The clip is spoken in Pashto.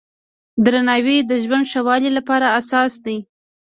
درناوی د ژوند ښه والي لپاره اساس دی.